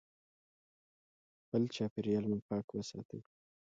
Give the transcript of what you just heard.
خپل چاپیریال مو پاک وساتئ.